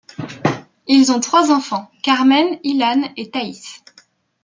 Ils ont trois enfants, Carmen, Illan et Thaïs.